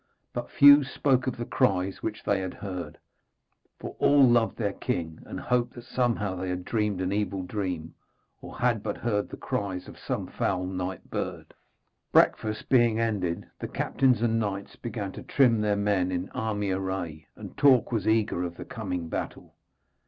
But few spoke of the cries which they had heard, for all loved their king, and hoped that somehow they had dreamed an evil dream, or had but heard the cries of some foul night bird. Breakfast being ended, the captains and knights began to trim their men in army array, and talk was eager of the coming battle.